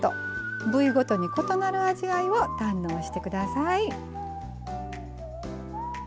部位ごとに異なる味わいを堪能してください。